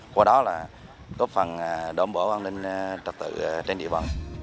của đó là cốp phần đổ bổ an ninh trật tự trên địa bò